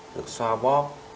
được xoa bóp